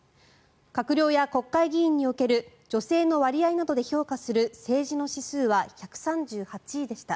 閣僚や国会議員における女性の割合などで評価する政治の指数は１３８位でした。